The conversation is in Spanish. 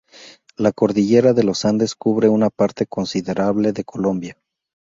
La Cordillera de los Andes cubre una parte considerable de Colombia.